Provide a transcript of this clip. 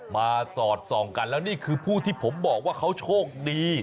สอดส่องกันแล้วนี่คือผู้ที่ผมบอกว่าเขาโชคดี